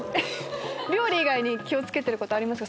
料理以外に気を付けてることありますか？